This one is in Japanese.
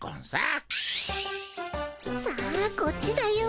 さあこっちだよ。